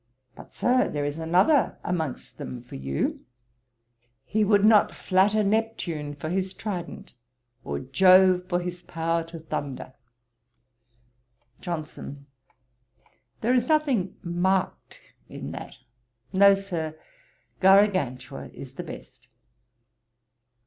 'But, Sir, there is another amongst them for you: "He would not flatter Neptune for his trident, Or Jove for his power to thunder."' JOHNSON. 'There is nothing marked in that. No, Sir, Garagantua is the best.'